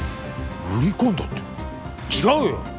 売り込んだって違うよ！